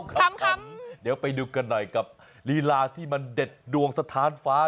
คำเดี๋ยวไปดูกันหน่อยกับลีลาที่มันเด็ดดวงสถานฟ้า